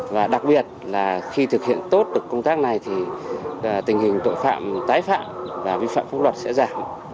và đặc biệt là khi thực hiện tốt được công tác này thì tình hình tội phạm tái phạm và vi phạm pháp luật sẽ giảm